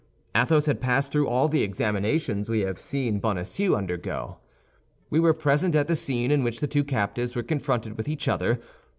Athos had passed through all the examinations we have seen Bonacieux undergo. We were present at the scene in which the two captives were confronted with each other.